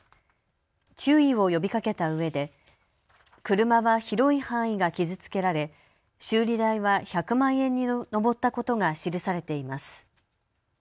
注意を呼びかけたうえで車は広い範囲が傷つけられ修理代は１００万円に上ったことが記されています。